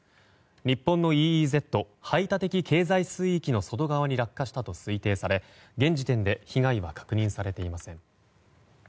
日本のＥＥＺ・排他的経済水域の外側に落下したと推定され、現時点で被害は確認されていません。